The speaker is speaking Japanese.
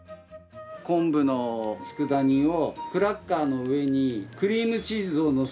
昆布の佃煮をクラッカーの上にクリームチーズをのせて食べる。